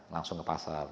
langsung ke pasar